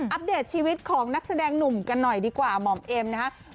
เดตชีวิตของนักแสดงหนุ่มกันหน่อยดีกว่าหม่อมเอ็มนะครับ